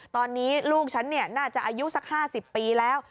ตอนนี้ลูกฉันน่าจะอายุสัก๕๐ปีแล้ว